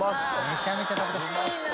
めちゃめちゃ食べたい。